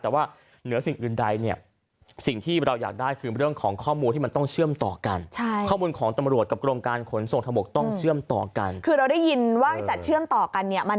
แต่ว่าเหนือสิ่งอื่นใด